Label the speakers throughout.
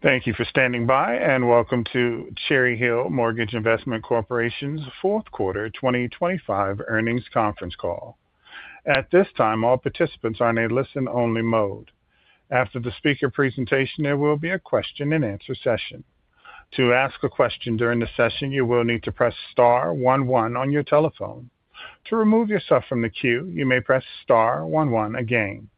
Speaker 1: Thank you for standing by, and welcome to Cherry Hill Mortgage Investment Corporation's fourth quarter, 2025 earnings conference call. At this time, all participants are in a listen-only mode. After the speaker presentation, there will be a question-and-answer session. To ask a question during the session, you will need to press *11 on your telephone. To remove yourself from the queue, you may press *11 again.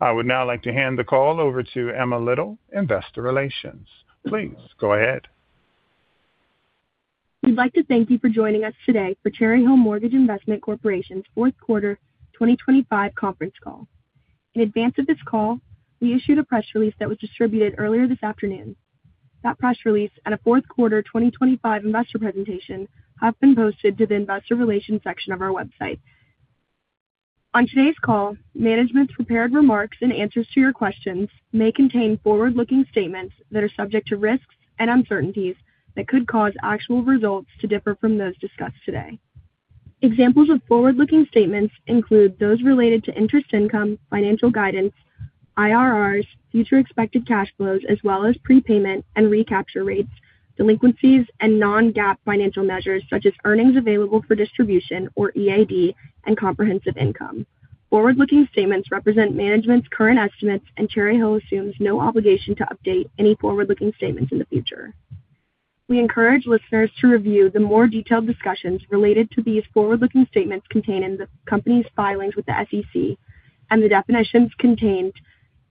Speaker 1: I would now like to hand the call over to Emma Little, Investor Relations. Please go ahead.
Speaker 2: We'd like to thank you for joining us today for Cherry Hill Mortgage Investment Corporation's fourth quarter, 2025 conference call. In advance of this call, we issued a press release that was distributed earlier this afternoon. The press release and a fourth quarter, 2025 investor presentation have been posted to the investor relations section of our website. On today's call, management's prepared remarks and answers to your questions may contain forward-looking statements that are subject to risks and uncertainties that could cause actual results to differ from those discussed today. Examples of forward-looking statements include those related to interest income, financial guidance, IRRs, future expected cash flows, as well as prepayment and recapture rates, delinquencies, and non-GAAP financial measures, such as earnings available for distribution, or EAD, and comprehensive income. Forward-looking statements represent management's current estimates, and Cherry Hill assumes no obligation to update any forward-looking statements in the future. We encourage listeners to review the more detailed discussions related to these forward-looking statements contained in the company's filings with the SEC and the definitions contained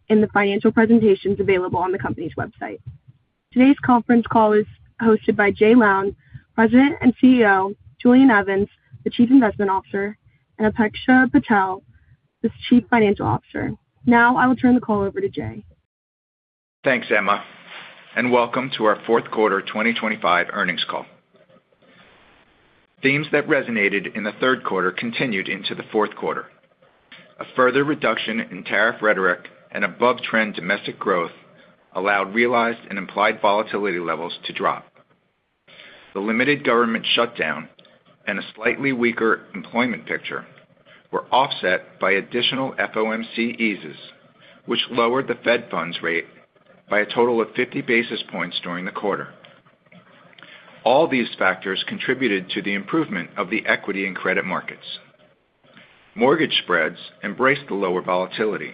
Speaker 2: in the financial presentations available on the company's website. Today's conference call is hosted by Jay Lown, President and CEO, Julian Evans, the Chief Investment Officer, and Apeksha Patel, the Chief Financial Officer. Now, I will turn the call over to Jay.
Speaker 3: Thanks, Emma, welcome to our fourth quarter 2025 earnings call. Themes that resonated in the third quarter continued into the fourth quarter. A further reduction in tariff rhetoric and above-trend domestic growth allowed realized and implied volatility levels to drop. The limited government shutdown and a slightly weaker employment picture were offset by additional FOMC eases, which lowered the Fed funds rate by a total of 50 basis points during the quarter. All these factors contributed to the improvement of the equity and credit markets. Mortgage spreads embraced the lower volatility,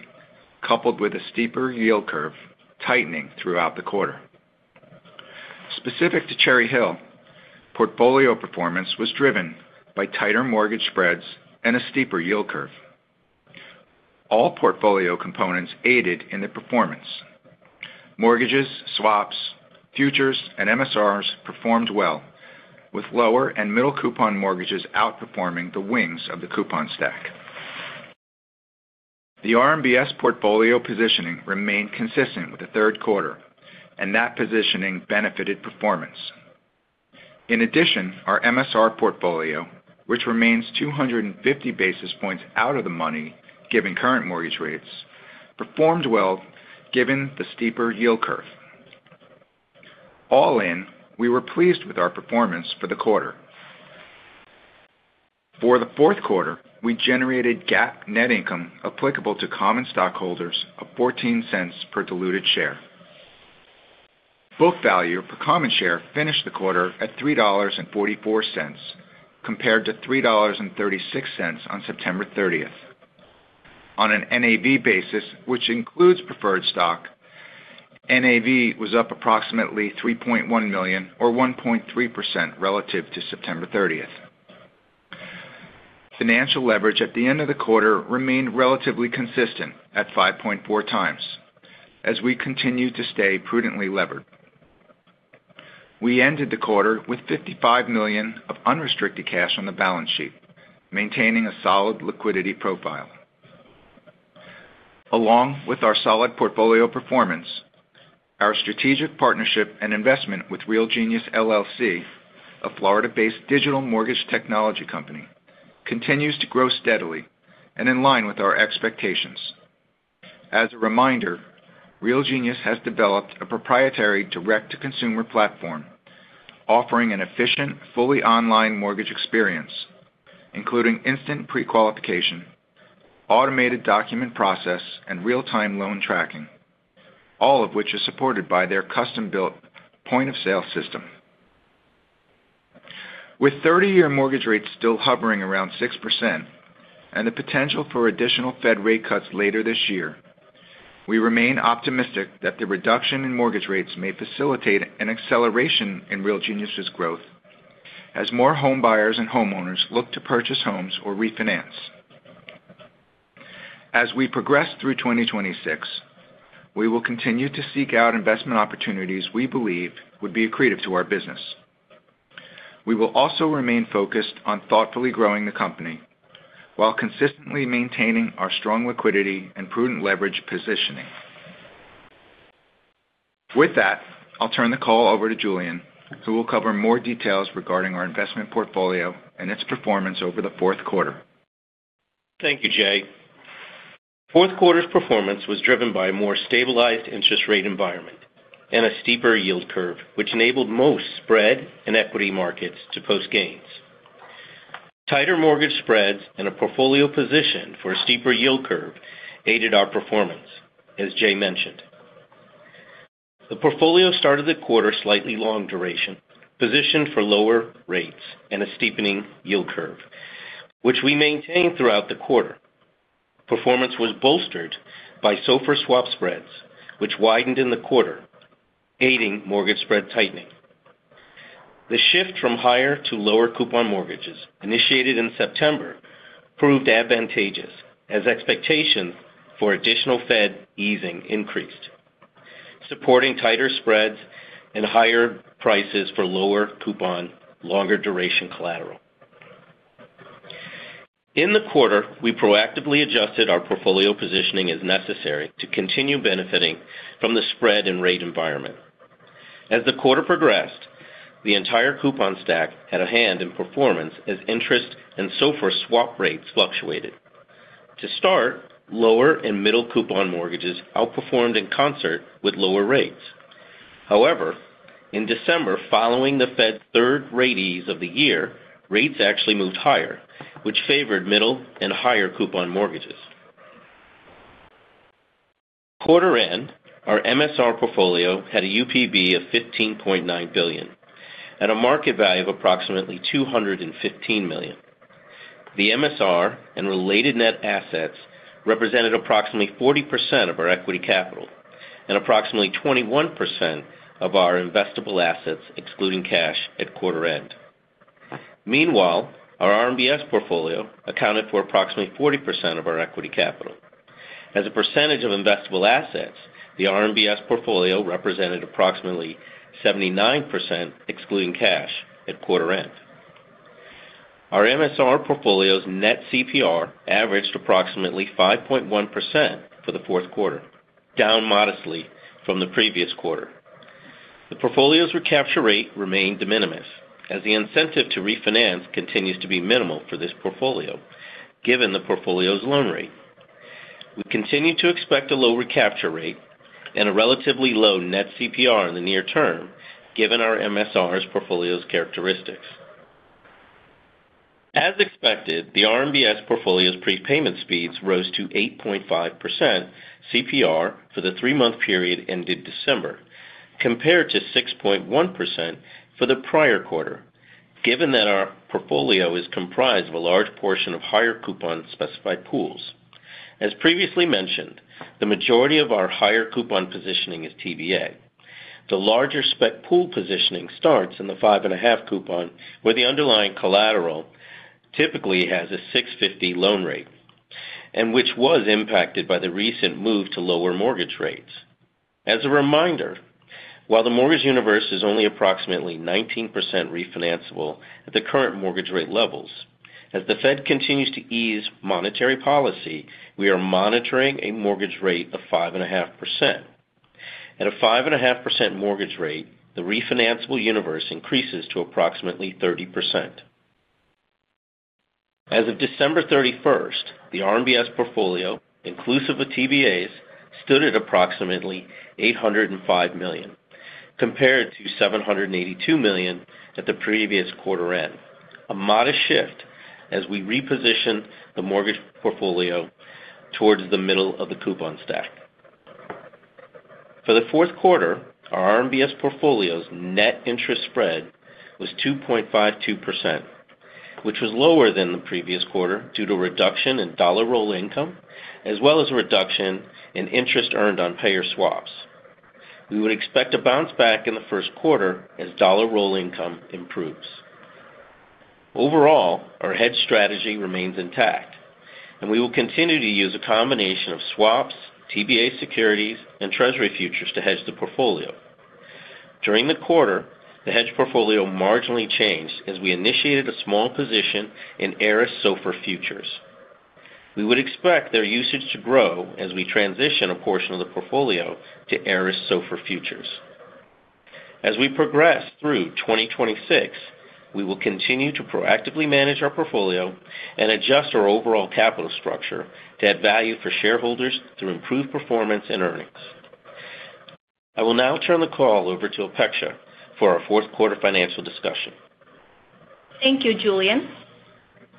Speaker 3: coupled with a steeper yield curve tightening throughout the quarter. Specific to Cherry Hill, portfolio performance was driven by tighter mortgage spreads and a steeper yield curve. All portfolio components aided in the performance. Mortgages, swaps, futures, and MSRs performed well, with lower and middle coupon mortgages outperforming the wings of the coupon stack. The RMBS portfolio positioning remained consistent with the third quarter. That positioning benefited performance. In addition, our MSR portfolio, which remains 250 basis points out of the money, given current mortgage rates, performed well given the steeper yield curve. All in, we were pleased with our performance for the quarter. For the fourth quarter, we generated GAAP net income applicable to common stockholders of $0.14 per diluted share. Book value per common share finished the quarter at $3.44, compared to $3.36 on September thirtieth. On an NAV basis, which includes preferred stock, NAV was up approximately $3.1 million, or 1.3% relative to September thirtieth. Financial leverage at the end of the quarter remained relatively consistent at 5.4x as we continued to stay prudently levered. We ended the quarter with $55 million of unrestricted cash on the balance sheet, maintaining a solid liquidity profile. Along with our solid portfolio performance, our strategic partnership and investment with Realgenius LLC, a Florida-based digital mortgage technology company, continues to grow steadily and in line with our expectations. As a Realgenius has developed a proprietary direct-to-consumer platform, offering an efficient, fully online mortgage experience, including instant prequalification, automated document process, and real-time loan tracking, all of which are supported by their custom-built point-of-sale system. With 30-year mortgage rates still hovering around 6% and the potential for additional Fed rate cuts later this year, we remain optimistic that the reduction in mortgage rates may facilitate an acceleration Realgenius's growth as more homebuyers and homeowners look to purchase homes or refinance. As we progress through 2026, we will continue to seek out investment opportunities we believe would be accretive to our business. We will also remain focused on thoughtfully growing the company while consistently maintaining our strong liquidity and prudent leverage positioning. With that, I'll turn the call over to Julian, who will cover more details regarding our investment portfolio and its performance over the fourth quarter.
Speaker 4: Thank you, Jay. Fourth quarter's performance was driven by a more stabilized interest rate environment and a steeper yield curve, which enabled most spread and equity markets to post gains. Tighter mortgage spreads and a portfolio position for a steeper yield curve aided our performance, as Jay mentioned. The portfolio started the quarter slightly long duration, positioned for lower rates and a steepening yield curve, which we maintained throughout the quarter. Performance was bolstered by SOFR swap spreads, which widened in the quarter, aiding mortgage spread tightening. The shift from higher to lower coupon mortgages, initiated in September, proved advantageous as expectations for additional Fed easing increased, supporting tighter spreads and higher prices for lower coupon, longer duration collateral. In the quarter, we proactively adjusted our portfolio positioning as necessary to continue benefiting from the spread in rate environment. As the quarter progressed, the entire coupon stack had a hand in performance as interest and SOFR swap rates fluctuated. To start, lower and middle coupon mortgages outperformed in concert with lower rates. In December, following the Fed's third rate ease of the year, rates actually moved higher, which favored middle and higher coupon mortgages. Quarter-end, our MSR portfolio had a UPB of $15.9 billion at a market value of approximately $215 million. The MSR and related net assets represented approximately 40% of our equity capital and approximately 21% of our investable assets, excluding cash at quarter end. Meanwhile, our RMBS portfolio accounted for approximately 40% of our equity capital. As a percentage of investable assets, the RMBS portfolio represented approximately 79%, excluding cash at quarter end. Our MSR portfolio's net CPR averaged approximately 5.1% for the fourth quarter, down modestly from the previous quarter. The portfolio's recapture rate remained de minimis, as the incentive to refinance continues to be minimal for this portfolio, given the portfolio's loan rate. We continue to expect a low recapture rate and a relatively low net CPR in the near term, given our MSR's portfolio's characteristics. As expected, the RMBS portfolio's prepayment speeds rose to 8.5% CPR for the three-month period ended December, compared to 6.1% for the prior quarter, given that our portfolio is comprised of a large portion of higher coupon specified pools. As previously mentioned, the majority of our higher coupon positioning is TBA. The larger spec pool positioning starts in the 5.5 coupon, where the underlying collateral typically has a 650 loan rate, and which was impacted by the recent move to lower mortgage rates. As a reminder, while the mortgage universe is only approximately 19% refinanceable at the current mortgage rate levels, as the Fed continues to ease monetary policy, we are monitoring a mortgage rate of 5.5%. At a 5.5% mortgage rate, the refinanceable universe increases to approximately 30%. As of December 31st, the RMBS portfolio, inclusive of TBAs, stood at approximately $805 million, compared to $782 million at the previous quarter end. A modest shift as we reposition the mortgage portfolio towards the middle of the coupon stack. For the fourth quarter, our RMBS portfolio's net interest spread was 2.52%, which was lower than the previous quarter due to a reduction in dollar roll income, as well as a reduction in interest earned on payer swaps. We would expect a bounce back in the first quarter as dollar roll income improves. Overall, our hedge strategy remains intact, and we will continue to use a combination of swaps, TBA securities, and Treasury futures to hedge the portfolio. During the quarter, the hedge portfolio marginally changed as we initiated a small position in ICE SOFR Futures. We would expect their usage to grow as we transition a portion of the portfolio to ICE SOFR Futures. As we progress through 2026, we will continue to proactively manage our portfolio and adjust our overall capital structure to add value for shareholders through improved performance and earnings. I will now turn the call over to Apeksha for our fourth quarter financial discussion.
Speaker 5: Thank you, Julian.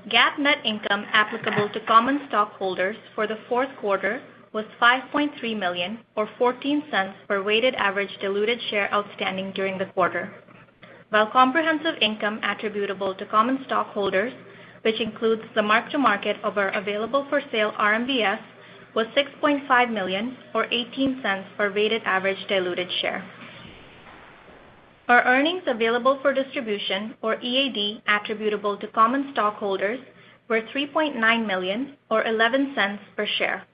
Speaker 5: GAAP net income applicable to common stockholders for the fourth quarter was $5.3 million, or $0.14 per weighted average diluted share outstanding during the quarter. While comprehensive income attributable to common stockholders, which includes the mark-to-market of our available-for-sale RMBS, was $6.5 million, or $0.18 per weighted average diluted share. Our earnings available for distribution, or EAD, attributable to common stockholders were $3.9 million, or $0.11 per share.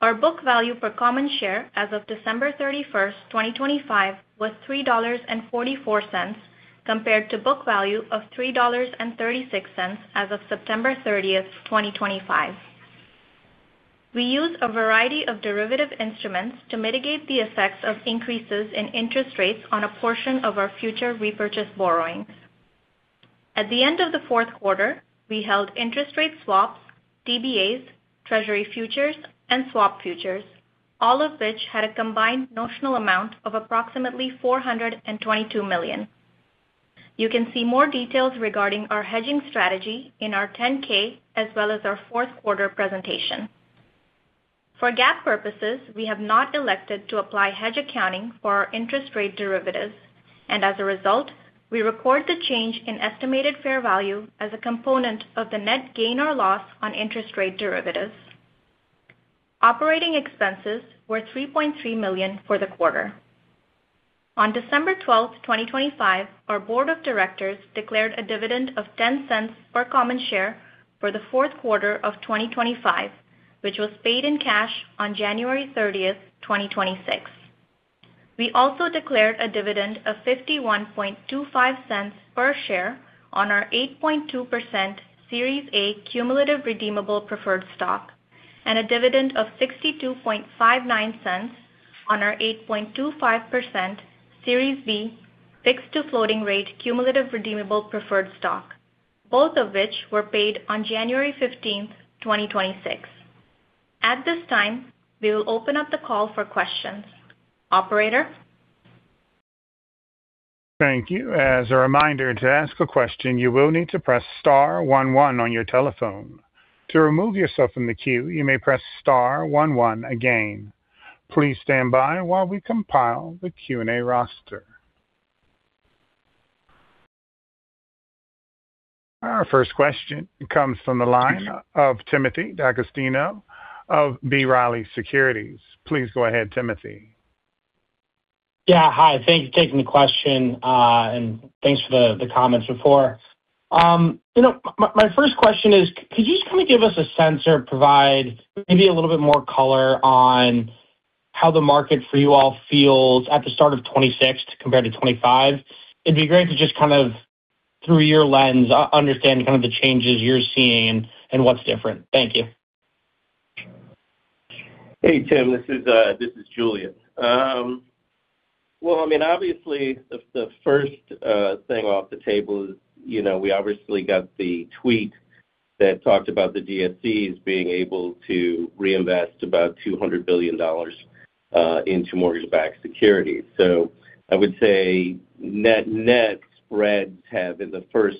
Speaker 5: Our book value per common share as of December 31st, 2025, was $3.44, compared to book value of $3.36 as of September 30th, 2025. We use a variety of derivative instruments to mitigate the effects of increases in interest rates on a portion of our future repurchase borrowings. At the end of the fourth quarter, we held interest rate swaps-... TBAs, treasury futures, and swap futures, all of which had a combined notional amount of approximately $422 million. You can see more details regarding our hedging strategy in our 10-K as well as our fourth quarter presentation. For GAAP purposes, we have not elected to apply hedge accounting for our interest rate derivatives, and as a result, we report the change in estimated fair value as a component of the net gain or loss on interest rate derivatives. Operating expenses were $3.3 million for the quarter. On December 12, 2025, our board of directors declared a dividend of $0.10 per common share for the fourth quarter of 2025, which was paid in cash on January 30, 2026. We also declared a dividend of $0.5125 per share on our 8.2% Series A Cumulative Redeemable Preferred Stock, a dividend of $0.6259 on our 8.25% Series B Fixed-to-Floating Rate Cumulative Redeemable Preferred Stock, both of which were paid on January 15th, 2026. At this time, we will open up the call for questions. Operator?
Speaker 1: Thank you. As a reminder, to ask a question, you will need to press star one one on your telephone. To remove yourself from the queue, you may press star one one again. Please stand by while we compile the Q&A roster. Our first question comes from the line of Timothy D'Agostino of B. Riley Securities. Please go ahead, Timothy.
Speaker 6: Yeah, hi. Thank you for taking the question, thanks for the comments before. You know, my first question is, could you just kind of give us a sense or provide maybe a little bit more color on how the market for you all feels at the start of 26 compared to 25? It'd be great to just kind of, through your lens, understand kind of the changes you're seeing and what's different? Thank you.
Speaker 4: Hey, Tim. This is, this is Julian. Well, I mean, obviously, the first thing off the table is, you know, we obviously got the tweet that talked about the GSEs being able to reinvest about $200 billion into mortgage-backed securities. I would say net spreads have, in the first,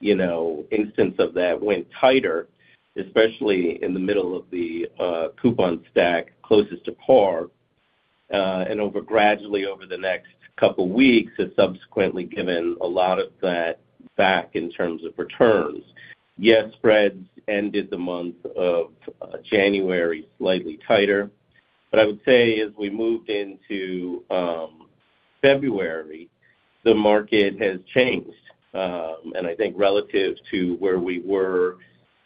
Speaker 4: you know, instance of that, went tighter, especially in the middle of the coupon stack closest to par, and over gradually over the next couple weeks, has subsequently given a lot of that back in terms of returns. Yes, spreads ended the month of January slightly tighter. I would say as we moved into February, the market has changed. I think relative to where we were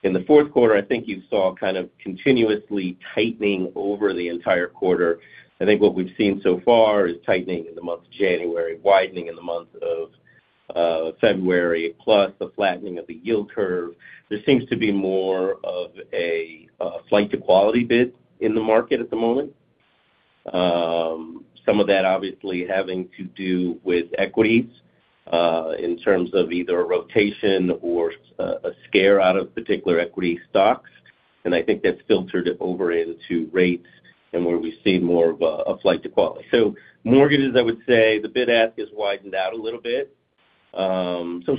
Speaker 4: in the fourth quarter, I think you saw kind of continuously tightening over the entire quarter. I think what we've seen so far is tightening in the month of January, widening in the month of February, plus the flattening of the yield curve. There seems to be more of a flight to quality bid in the market at the moment. Some of that obviously having to do with equities, in terms of either a rotation or a scare out of particular equity stocks, and I think that's filtered over into rates and where we see more of a flight to quality. Mortgages, I would say the bid-ask has widened out a little bit.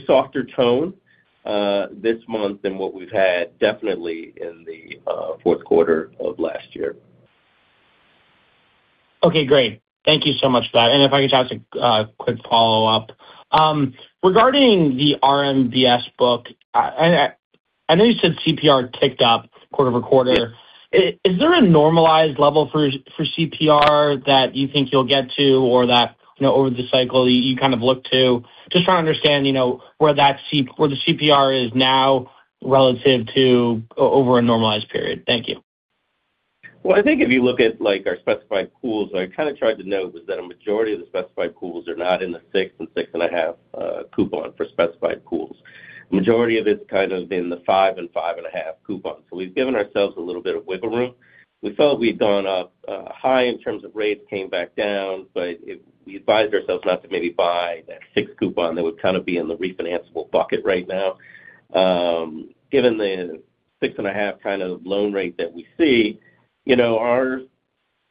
Speaker 4: Softer tone this month than what we've had definitely in the fourth quarter of last year.
Speaker 6: Okay, great. Thank you so much for that. If I could just quick follow-up. Regarding the RMBS book, I know you said CPR ticked up quarter-over-quarter.
Speaker 4: Yes.
Speaker 6: Is there a normalized level for CPR that you think you'll get to or that, you know, over the cycle you kind of look to? Just trying to understand, you know, where the CPR is now relative to over a normalized period. Thank you.
Speaker 4: Well, I think if you look at, like, our specified pools, I kind of tried to note is that a majority of the specified pools are not in the 6 and 6.5 coupon for specified pools. Majority of it's kind of in the 5 and 5.5 coupon. We've given ourselves a little bit of wiggle room. We felt we'd gone up, high in terms of rates, came back down, but we advised ourselves not to maybe buy that 6 coupon that would kind of be in the refinanceable bucket right now. Given the 6.5 kind of loan rate that we see, you know, our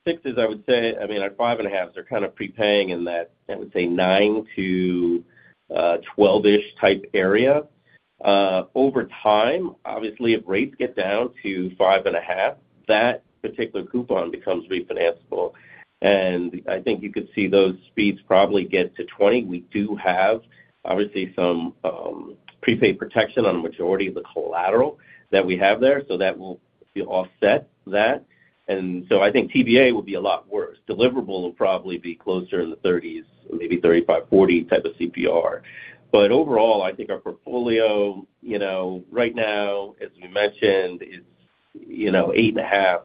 Speaker 4: 6s, I would say, I mean, our 5.5s are kind of prepaying in that, I would say 9 to 12-ish type area. Over time, obviously, if rates get down to 5.5, that particular coupon becomes refinanceable, and I think you could see those speeds probably get to 20. We do have, obviously, some prepaid protection on a majority of the collateral that we have there, so that will offset that. I think TBA will be a lot worse. Deliverable will probably be closer in the 30s, maybe 35-40 type of CPR. Overall, I think our portfolio, you know, right now, as we mentioned, is, you know, 8.5.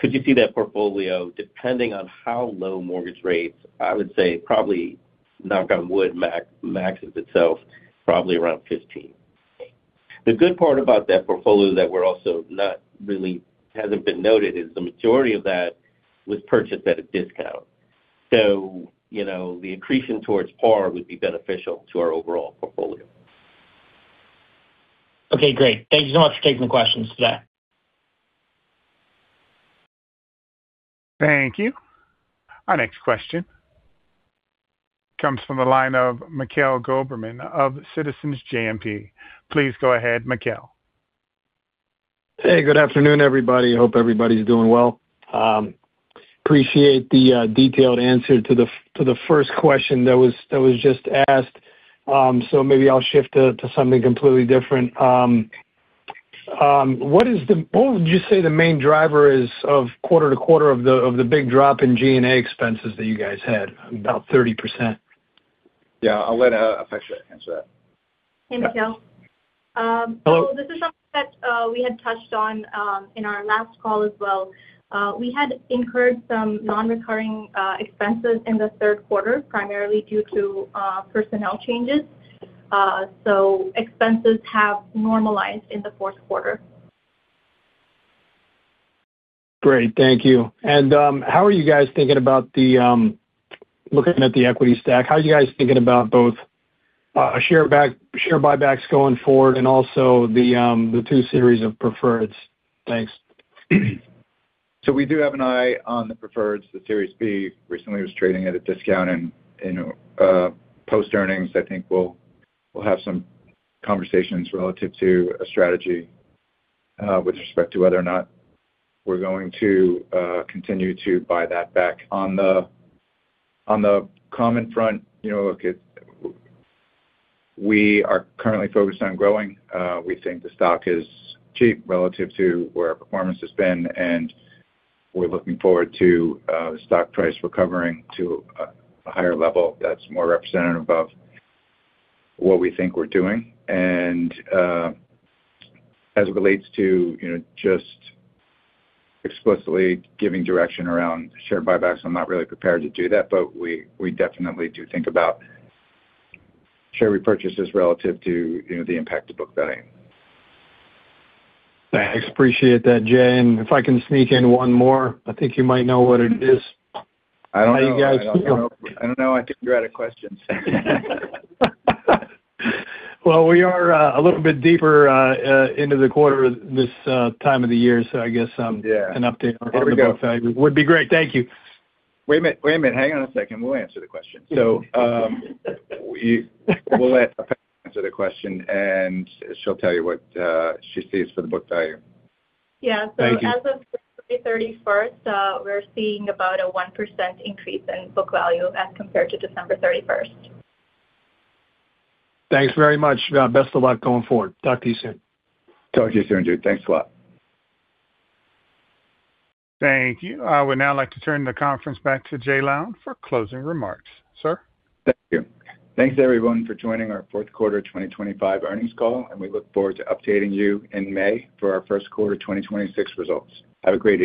Speaker 4: Could you see that portfolio, depending on how low mortgage rates, I would say probably, knock on wood, maxes itself probably around 15. The good part about that portfolio that we're also not really hasn't been noted, is the majority of that was purchased at a discount....
Speaker 3: you know, the increasing towards par would be beneficial to our overall portfolio.
Speaker 6: Okay, great. Thank you so much for taking the questions today.
Speaker 1: Thank you. Our next question comes from the line of Mikhail Goberman of Citizens JMP. Please go ahead, Mikhail.
Speaker 7: Hey, good afternoon, everybody. Hope everybody's doing well. Appreciate the detailed answer to the first question that was just asked. Maybe I'll shift to something completely different. What would you say the main driver is of quarter-to-quarter of the big drop in G&A expenses that you guys had? About 30%.
Speaker 3: Yeah, I'll let Apeksha Patel answer that.
Speaker 5: Hey, Mikhail.
Speaker 7: Hello.
Speaker 5: This is something that we had touched on in our last call as well. We had incurred some non-recurring expenses in the third quarter, primarily due to personnel changes. Expenses have normalized in the fourth quarter.
Speaker 7: Great. Thank you. How are you guys thinking about the, looking at the equity stack, how are you guys thinking about both, share buybacks going forward and also the two series of preferreds? Thanks.
Speaker 3: We do have an eye on the preferreds. The Series B recently was trading at a discount, post earnings, I think we'll have some conversations relative to a strategy with respect to whether or not we're going to continue to buy that back. On the common front, you know, look, we are currently focused on growing. We think the stock is cheap relative to where our performance has been, and we're looking forward to stock price recovering to a higher level that's more representative of what we think we're doing. As it relates to, you know, just explicitly giving direction around share buybacks, I'm not really prepared to do that, but we definitely do think about share repurchases relative to, you know, the impact of book value.
Speaker 7: Thanks. Appreciate that, Jay. If I can sneak in one more, I think you might know what it is.
Speaker 3: I don't know.
Speaker 7: How you guys feel?
Speaker 3: I don't know. I think you're out of questions.
Speaker 7: We are a little bit deeper into the quarter this time of the year, so I guess.
Speaker 3: Yeah.
Speaker 7: An update on the book value would be great. Thank you.
Speaker 3: Wait a minute. Hang on a second. We'll answer the question. We'll let Apeksha answer the question, and she'll tell you what she sees for the book value.
Speaker 5: Yeah.
Speaker 7: Thank you.
Speaker 5: As of March 31st, we're seeing about a 1% increase in book value as compared to December 31st.
Speaker 7: Thanks very much. Best of luck going forward. Talk to you soon.
Speaker 3: Talk to you soon, dude. Thanks a lot.
Speaker 1: Thank you. I would now like to turn the conference back to Jay Lown for closing remarks. Sir?
Speaker 3: Thank you. Thanks, everyone, for joining our fourth quarter 2025 earnings call. We look forward to updating you in May for our first quarter 2026 results. Have a great day.